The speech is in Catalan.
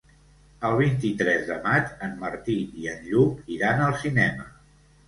El vint-i-tres de maig en Martí i en Lluc iran al cinema.